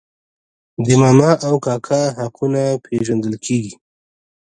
د ماما او کاکا حقونه پیژندل کیږي.